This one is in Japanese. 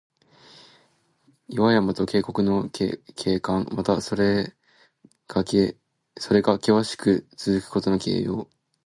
岩山と渓谷の景観。また、それがけわしくつづくことの形容。